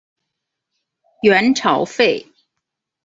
元朝废。